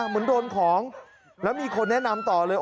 เหมือนโดนของแล้วมีคนแนะนำต่อเลย